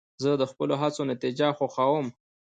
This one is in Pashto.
زه د خپلو هڅو نتیجه خوښوم.